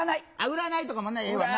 占いとかもええわな。